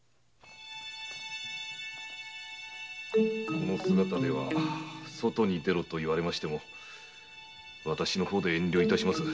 この姿では外に出ろといわれても私の方で遠慮いたします。